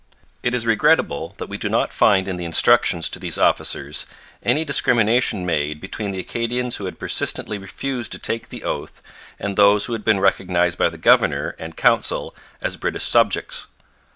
It is regrettable that we do not find in the instructions to these officers any discrimination made between the Acadians who had persistently refused to take the oath and those who had been recognized by the governor and Council as British subjects.